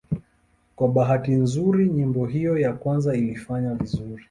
Kwa bahati nzuri nyimbo hiyo ya kwanza ilifanya vizuri.